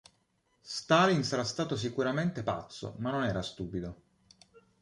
Stalin sarà stato sicuramente pazzo ma non era stupido.